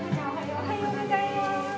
おはようございます。